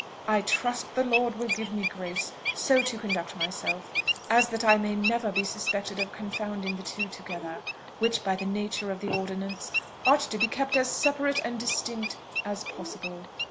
I trust the Lord will give me grace so to conduct myself, as that I may never be suspected of confounding the two together, which, by the nature of the ordinances, ought to be kept as separate and distinct as possible.